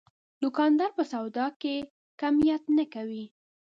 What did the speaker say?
دوکاندار په سودا کې کمیت نه کوي.